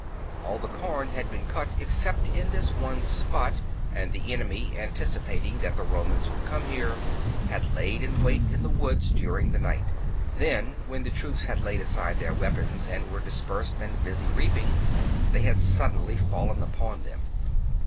All the corn had been cut except in this one spot ; and the enemy, anticipating that the Romans would come here, had lain in wait in the woods during the night ; then, when the troops had laid aside their weapons and were dispersed and busy reaping, they had suddenly fallen upon them.